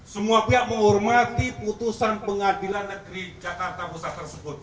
semua pihak menghormati putusan pengadilan negeri jakarta pusat tersebut